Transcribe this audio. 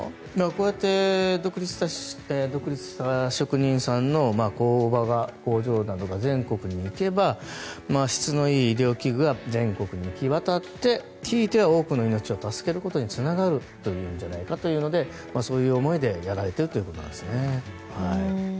こうやって独立した職人さんの工場などが全国に行けば質のいい医療器具が全国に行き渡ってひいては多くの命を助けることにつながるんじゃないかということでそういう思いでやられているということなんですかね。